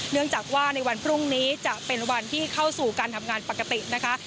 เนื่องจากว่าในวันพรุ่งนี้จะเป็นวันที่เข้าสู่การทำงานปกตินะคะ